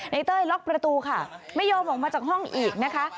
เต้ยล็อกประตูค่ะไม่ยอมออกมาจากห้องอีกนะคะ